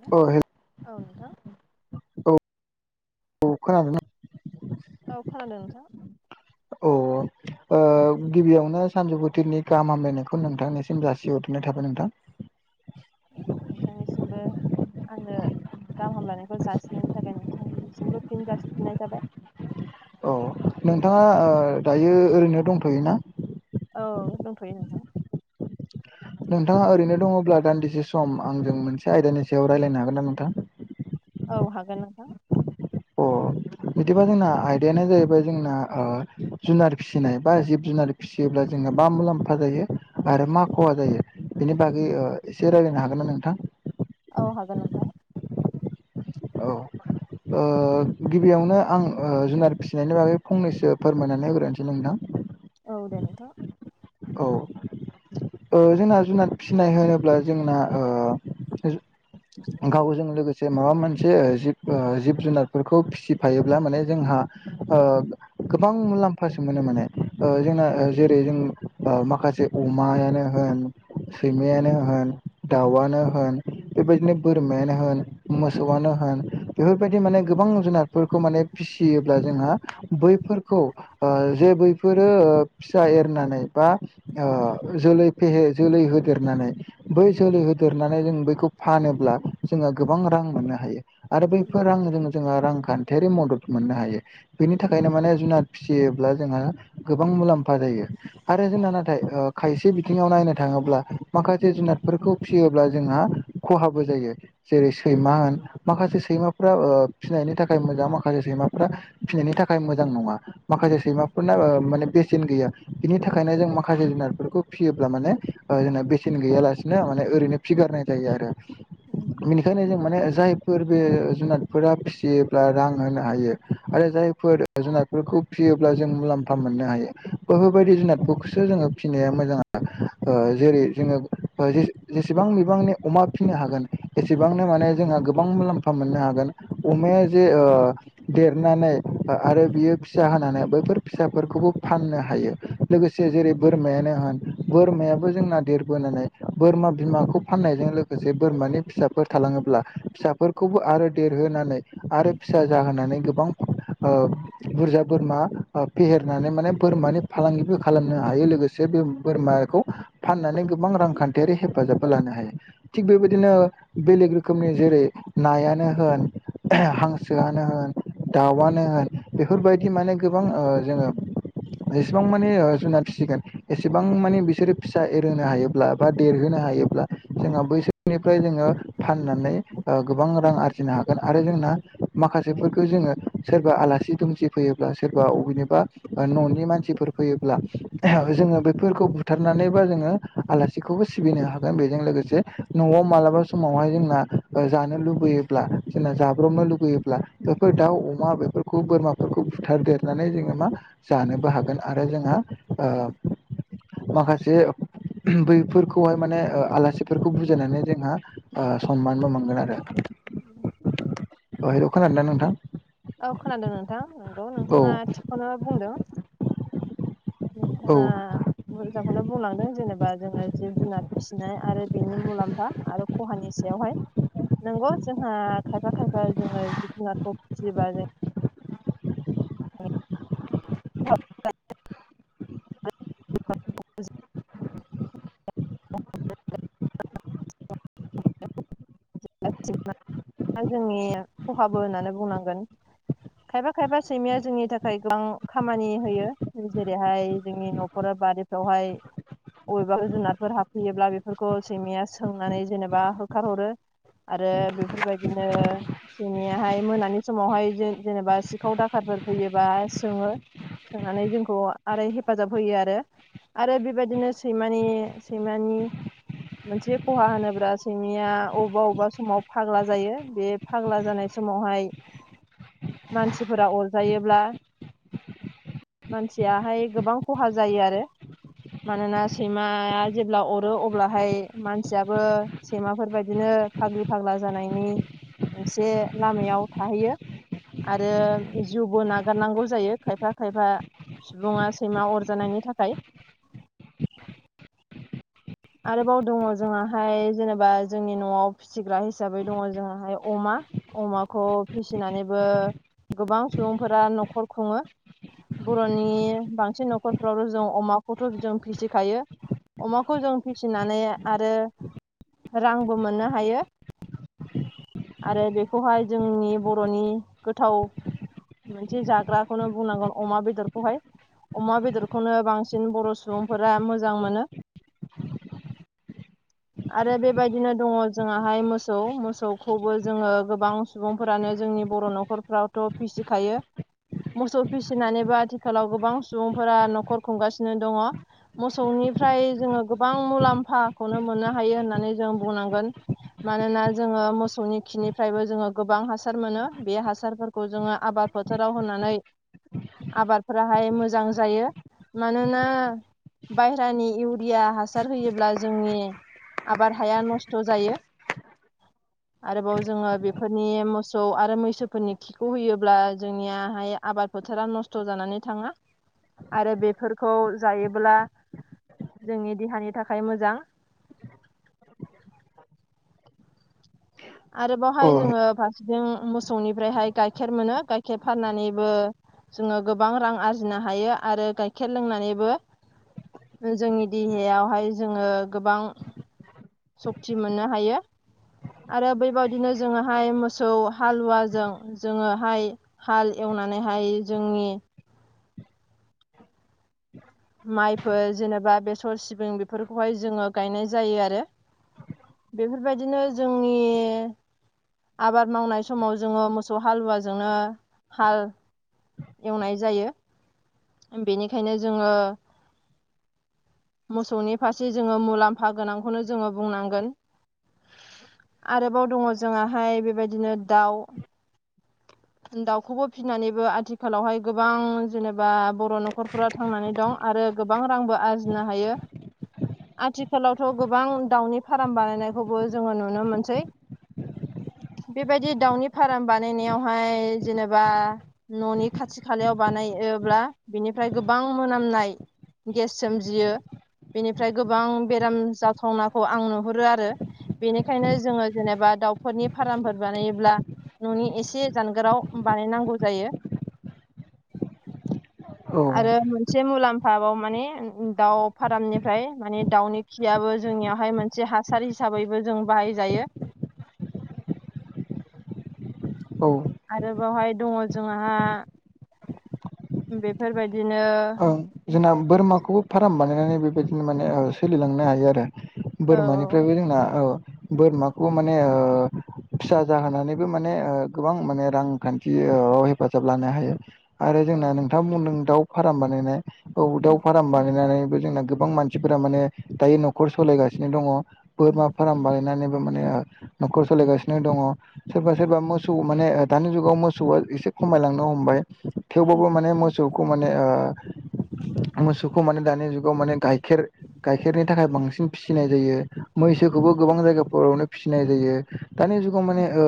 औ नोंथां औ औ खोनादोंना औ खोनादों नोंथां। औ ओ गिबियावनो सानजौफुथिरनि गाहाम हामलायनायखौ नोंथांनिसिम जासिहरग्रोनाय थाबाय नोंथां। नोंथांनिसिमबो आंनो गाहाम हामलायानायखौ जासिननायनि थाखाय नोंथांनिसिमबो फिन जासिफिननाय थाबाय औ नोंथाङा ओ दायो ओरैनो दंथ'योना औ दंथ'यो नोंथां नोंथाङा ओरैनो दङब्ला दान्दिसे सम आंजों मोनसे आयदानि सायाव रायज्लायनो हागोन ना नोंथां औ हागोन नोंथां अ बिदिबा जोंना आयदायानो जाहैबाय जोंना ओ जुनार फिसिनाय बा जिब जुनार फि फिसियोब्ला जोंहा मा मुलाम्फा जायो आरो मा खहा जायो बेनि बागै ओ एसे रायज्लायनो हागोन ना नोंथां औ हागोन नोंथां औ ओ गिबियावनो आं ओ जुनार फिसिनायनि बागै फंनैसो फोरमायनानै होग्रोनोसै नोंथां औ दे नोंथां औ ओ जोंना जुनाद फिसिनाय होनोब्ला जोंना ओ गावजों लोगोसे माबा मोनसे जिब ओ जिब जुनारफोरखौ फिसिफायोब्ला माने जोंहा ओ गोबां मुलाम्फासो मोनो माने ओ जोंना जेरै जों ओ माखासे अमायानो होन, सैमायानो होन, दाउआनो होन बेबायदिनो बोरमायानो होन मोसौआनो होन बेफोरबायदि माने गोबां जुनारफोरखौ माने फिसियोब्ला जोंहा बैफोरखौ ओ जे बैफोरो ओ फिसा एरनानै बा ओ जोलैे फेहे जोलै होदेरनानै बै जोलै होदेरनानै जों बैखौ फानोब्ला जोङो गोबां रां मोननो हायो आरो बैफोर रांजों जोङो रांखान्थियारि मदद मोननो हायो बेनि थाखायनो माने जुनाद फिसियोब्ला जोंहा गोबां मुलाम्फा जायो। आरो जोंना नाथाय ओ खायसे बिथिङाव नायनो थाङोब्ला माखासे जुनादफोरखौ फिसियोब्ला जोंहा खहाबो जायो जेरै सैमा होन माखासे सैमाफ्रा ओ फिसिनायनि थाखाय मोजां माखासे सैमाफ्रा फिसिनायनि थाखाय मोजां नङा। माखासे सैमाफोरना ओ माने बेसेन गैया बिनि थाखायनो जों माखासे जुनारफोरखौ फिसियोब्ला माने जोंना बेसेन गैयालासेनो माने ओरैनो फिगारनाय जायो आरो उम बेनिखायनो जों माने जायफोर बे जुनारफोरा फिसियोब्ला रां होनो हायो आरो जायफोर जुनारफोरखौ फियोब्ला जों मुलाम्फा मोननो हायो बैफ फोरबायदि जुनादफोरखौसो जोङो फिसिनाया मोजां जेरै जोङो जेसेबां बिबांनि अमा फिसिनो हागोन एसेबांनो माने जोंहा गोबां मुलाम्फा मोननो हागोन। अमाया जे ओ देरनानै आरो बियो फिसा होनानै बैफोर फिसाफोरखौबो फाननो हायो। लोगोसे जेरै बोरमायानो होन बोरमायाबो जोंना देरबोनानै बोरमा बिमाखौ फाननायजों लोग माखासे बोरमानि फिसाफोर थाङोब्ला फिसाफोरखौबो आरो देरहोनानै आरो फिसा जाहोनानै गोबां बुरजा बोरमा फेहेरनानै माने बोरमानि फालांगिबो खालामनो हायो लोगोसे बे बोरमाखौ फाननानै गोबां रांखान्थियारि हेफाजाबबो लानो हायो। थिग बेबायदिनो बेलेग रोखोमनि जेरै नायानो होन हांसोआनो होन दाउआनो होन बेफोरबायदि माने गोबां जोङो जेसेबां माने जुनाद फिसिगोन एसेबां माने बिसोरो फिसा एरहोनो हायोब्ला बा देरहोनो हायोब्ला जोंहा बैसोरनिफ्राय जोङो फाननानै गोबां रां आरजिनो हागोन आरो जोंना माखासेफोरखौ जोङो सोरबा आलासि दुमसि फैयोब्ला सोरबा अबेनिबा न'नि मान सिफोर फैयोबा जों बुथारनानै बा जोङो आलासिखौबो सिबिनो हागोन बेजों लोगोसे न'आव मालाबा समावहाय जोंना जानो लुबैयो ब्ला जोंना जाब्रबनो लुबैयोब्ला बेफोर दाउ अमा बेफोरखौ बोरमाफोरखौ बुथारदेरनानै जोङो मा जानोबो हागोन आरो जोंहा माखासे बैफोरखौहाय माने ओ आलासिफोरखौ बुजायनानै जोंहा ओ सनमानबो मोनगोन आरो। [inaudible] अ हेल' खोनादों ना नोंथां? औ खोनादों नोंथां नंगौ औ नोंथाङा थिगखौनो बुंदों। नोंथां औ आ मोजांखौनो बुंलांदों जेनेबा जोङो जिब जुनार फिसिनाय आरो बेनि मुलाम्फा आरो खहानि सायावहाय नंगौ जोंहा खायफा खायफा जोङो जिब जुनारखौ फिसियोबा जों [inaudible] [inaudible] [unintelligible] दा जोंनि खहाबो होननानै बुंनांगोन। खायफा खायफा सैमाया जोंनि थाखाय गोबां खामानि होयो जेरैहाय जोंनि न'खराव बारि बेवहाय बबेबा जुनारफोर हाबफैयोब्ला बेफोरखौ सैमाया सोंनानै जेनेबा बा होखारहरो आरो बेफोरबायदिनो सैमयाहाय मोनानि समावहाय जे-जेनेबा सिखाव दाखारफोर फैयोबा सोङो। सोंनानै जोंखौ आरो हेफाजाब होयो आरो। आरो बेबायदिनो सैमानि सैमानि मोनसे खहा होनोब्ला सिमिया अबेबा अबेबा समाव फाग्ला जायो बे फाग्ला जानाय समावहाय मानसिफोरा अरजायोब्ला मानसियाहाय गोबां खहा जायो आरो। मानोना सैमाया जेब्ला अरो अब्लाहाय मानसियाबो सैमाफोरबायदिनो फाग्लि फाग्ला जानायनि मोनसे लामायाव थाहैयो। आरो जिउबो नागारनांगौ जायो खायफा खायफा सुबुङा सैमा अरजानायनि थाखाय। आरोबाव दङ जोंहाहाय जेनेबा जोंनि न'आव फिसिग्रा हिसाबै दङ जोंहाय अमा। अमाखौ फिसिनानैबो गोबां सुबुंफोरा न'खर खुङो। बर'नि बांसिन न'खरफ्राव' जों अमाखौथ' जों फिसिखायो अमाखौ जों फिसिनानै आरो रांबो मोननो हायो। आरो बेखौहाय जोंनि बर'नि गोथाव मोनसे जाग्राखौनो बुंनांगोन अमा बेदरखौहाय। अमा बेदरखौनो बांसिन बर' सुबुंफोरा मोजां मोनो आरो बेबायदिनो दङ जोंाहाय मोसौ मोसौखौबो जोङो गोबां सुबुंफोरानो जोंनि बर' न'खरफ्रावथ' फिसिखायो मोसौ फिसिनानैबो आथिखालाव गोबां सुबुंफोरा न'खर खुंगासिनो दङ। मोसौनिफ्राय जोङो गोबां मुलाम्फाखौनो मोननो हायो होननानै जों बुंनांगोन। मानोना जोङो मोसौनि खिनिफ्रायबो जोङो गोबां हासार मोनो बे हासारफोर खौ जोङो आबाद फोथाराव होनानै आबादफोराहाय मोजां जायो मानोना बायहेरानि इउरिया हासार होयोब्ला जोंनि आबाद हाया नस्थ' जायो। आरोबाव जोङो बेफोरनि मोसौ आरो मैसोफोरनि बिखौ होयोब्ला जोंनियाहाय आबाद फोथारा नस्थ' जानानै थाङा। आरो बेफोरखौ जायोब्ला जोंनि देहानि थाखाय मोजां। आरो बावहाय जोङो फारसेथिं मोसौनिफ्रायहाय गाइखेर मोनो गाइखेर फाननानैबो जोङो गोबां रां आरजिनो हायो आरो गाइखेर लोंनानैबो जोंनि देहायावहाय जोङो गोबां सक्ति मोननो हायो। आरो बेबायदिनो जोङोहाय मोसौ हालुवाजों जोङोहाय हाल एवनानैहाय जोंनि माइफोर जेनेबा बेसर सिबिं बेफोरखौहाय जोङो गायनाय जायो आरो बेफोरबायदिनो जोंनि आबाद मावनाय समाव जोङो मोसौ हालुवाजोंनो हाल एवनाय जायो बेनिखायनो जोङो मोसौनि फारसे जोङो मुलाम्फा गोनांखौनो जोङो बुंनांगोन आरोबाव दङ जोंाहाय बेबायदिनो दाउ दाउखौबो फिसिनानैबो आथिखालावहाय गोबां जेनेबा बर' न'खरफोरा थांनानै दं आरो गोबां रांबो आरजिनो हायो। आथिखालावथ' गोबां दाउनि फार्म बानायनायखौबो जोङो नुनो मोनसै। बेबायदि दाउनि फार्म बानायनायावहाय जेनेबा न'नि खाथि खालायाव बानायोब्ला बिनिफ्राय गोबां मोनामनाय गेस सोमजियो बेनिफ्राय गोबां बेराम जाथावनाखौ आं नुहुरो आरो बेनिखायनो जोङो जेनेबा दाउफोरनि फार्मफोर बानायोब्ला न'नि एसे जानगाराव बानायनांगौ जायो। औ आरो मोनसे मुलाम्फााव माने दाउ फारमनिफ्राय माने दाउनि खियाबो जोंनियावहाय मोनसे हासार हिसाबैबो जों बाहाय जायो। औ। आरोबावहाय दङ जोंहा बेफोरबायदिनो ओं जोंना बोरमाखौबो फार्म बानायनानै बेबायदिनो माने सोलिलांनो हायो आरो। औ बोरमानिफ्रायबो जोंना औ बोरमाखौ माने ओ फिसा जाहोनानैबो माने ओ गोबां माने रांखान्थि ओ हेफाजाब लानो हायो। आरो जोंना नोंथां बुंदों दाउ फार्म बानायनाय औ दाउ उम फार्म बानायनानैबो जोंना गोबां मानसि मानसिफोरा माने दायो न'खर सालायगासिनो दङ उम बोरमा फार्म बानायनानैबो माने न'खर सोलिगासिनो दङ। सोरबा सोरबा मोसौ माने दानि जुगाव मोसौआ एसे खमायलांनो हमबाय थेव बाब माने मोसौ ने ओ मोसौखौ माने दानि जुगाव माने गाइखेर गाइखेरनि थाखाय बांसिन फिसिनाय जायो। मैसोखौबो गोबां जायगाफोरावनो फिसिनाय जायो दानि जुगाव माने ओ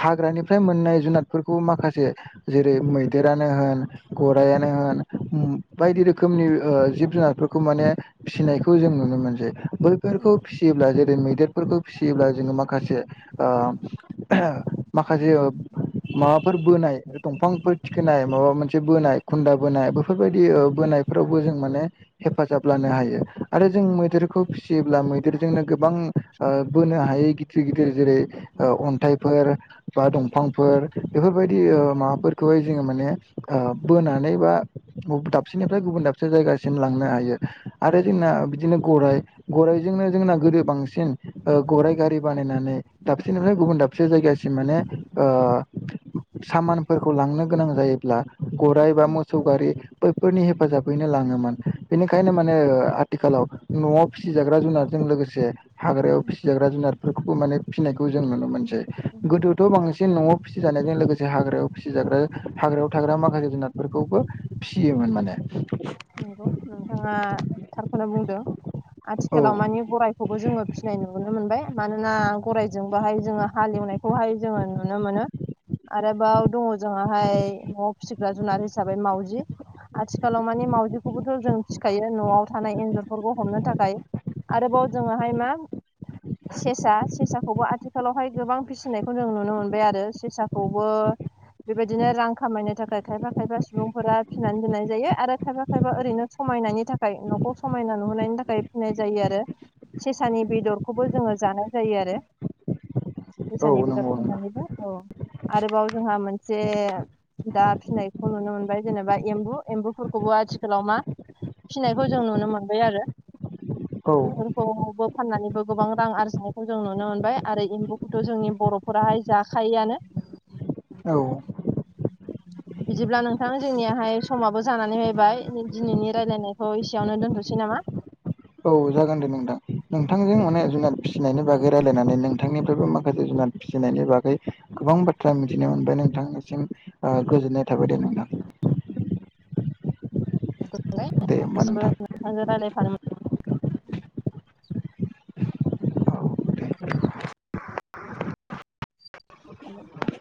हाग्रानिफ्राय मोननाय जुनादफोरखौ माखासे जेरै मैदेरानो होन ग फायानो होन बायदि रोखोमनि ओ जिब जुनारफोरखौ माने फिसिनायखौ जों नुनो मोनसै उम बैफोरखौ फि फिसियोब्ला जेरै मैदेरफोरखौ फिसियोब्ला जोङो माखासे ओ माखासे ज माबाफोर बोनाय दंफांफोर थिखोनाय माबा मोनसे बोनाय। खुन्दा बोनाय बेफोरबायदि बोनायफोरावबो जों माने हेफाजाब लानो हायो आरो जों मैदेरखौ फि फिसियोब्ला मैदेरजोंनो गोबां बोनो हायै गिदिर गिदिर जेरै अन्थाइफोर। बा दंफांफोर बेफोरबायदि ओ माबाफोरखौहाय जोङो माने ओ बोनानै बा दाबसेनिफ्राय गुबुन दाबसे जायगासिम लांनो हायो। आरो जोंना बिदिनो गराइ गराइजोंनो जोंना गोदो बांसिन गराइ गारि बानायनानै दाबसेनिफ्रायै गुबुन दाबसे जायगासिम माने ओ सामानफोरखौ लांनो गोनां जायोब्ला गराइ बा मोसौ गारि बैफोरनि हेफाजाबैनो लाङोमोन बेनिखायनो माने ओ आ आथिखालाव न'आव फिसिजाग्रा जुनारजों लोगोसे हाग्रायाव फिसिजाग्रा जुनारफोरखौबो माने फिसिनायखौ जों नुनो मोनसै गोदोथ' बांसिन न'आव फिसि जानायजों लोगोसे हाग्रायाव फिसिजाग्रा हाग्रायाव थाग्रा म जुनादफोरखौबो फिसियोमोन माने नंगौ नोंथाङा थारखौनो बुंदों औ आथिखालाव मानि गराय खौबो जोङो फिनाय नुनो मोनबाय मानोना गरायजोंबोहाय जोङो हालेवनायखौहाय जोङो नुनो मोनो। आरोबाव दङ जोंहाहाय न'आव फिसिग्रा जुनार हिसाबै मावाउजि। आथिखालाव मानि मावजिखौबोथ' जों फिखायो न'आव थानाय एन्जरफोरखौ हमनो थाखाय। आरोबाव जोङोहाय मा [inaudible] सेसा सेसाखौबो आथिखालावहाय गोबां फिसिनायखौ जों नुनो मोनबाय आरो सेसाखौबो। बेबायदिनो रां खामायनो थाखाय खायफा खायफा सुबुंफोरा फिनानै दोननाय जायो आरो खायफा खायफा खफायबा ओरैनो समायनायनि थाखाय न'खौ समायना नुहोनायनि थाखाय फिनाय जायो आरो। सेसानि बेदरखौबो जोङो जानाय जायो आरो। [inaudible] फैसानि बेाब नंगौ नोंथां फाननानैबो औ आरोबाव जोंहा मोनसे दा फिनायखौ नुनो मोनबाय जेनेबा एम्बु एम्बुफोरखौबो आथिखाल लाव मा फिसिनायखौ जों नुनो मोनबाय आरो बेफोर औ एबो फाननानैबो गोबां रां आरजिनायखौ जों नुनो मोनबाय आरो एम्बुखौथ' जोंनि बर' नखराहाय जाखायोआनो। औ। बिदिब्ला नोंथां जोंनियाहाय समाबो जानानै फैबाय। दिनैनि रायज्लायनायखौ एसेयावनो दोनथ'सै नामा? औ जागोन दे नोंथां नोंथांजों माने जुनाद फिसिनायनि बागै रायजलायनानै नोंथांनिफ्रायबो माखासे जुनाद फिसिनायनि बागै गोबां बाथ्रा मिथिनो मोनबाय नोंथांनिसिम गोजोननाय थाबाय दे नोंथां। दे होमबा नोंथां नोंथसिमबो नोंथांजों रायज्लायफानो मो [unintelligible]